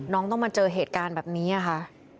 น้องต้องมาเจอเหตุการณ์แบบนี้ค่ะ